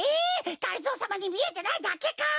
がりぞーさまにみえてないだけか？